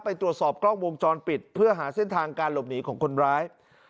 ไปตรวจสอบกล้องวงจรปิดเพื่อหาเส้นทางการหลบหนีของคนร้าย